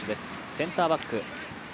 センターバック。